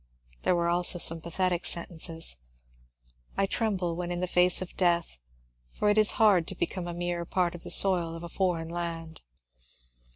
There were also some pathetic sentences. I tremble when in the face of death, for it is hard to become a mere part of the soil of a foreign land."